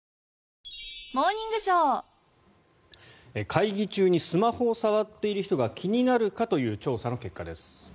会議中にスマホを触っている人が気になるかという調査の結果です。